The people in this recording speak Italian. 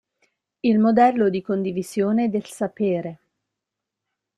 Il modello di condivisione del sapere.